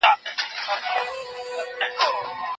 هغه کتابتون چي په ښار کي دی ډېر لوی دی.